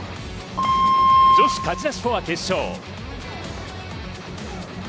女子かじなしフォア決勝。